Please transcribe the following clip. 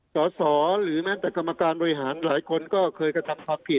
สอสอหรือแม้แต่กรรมการบริหารหลายคนก็เคยกระทำความผิด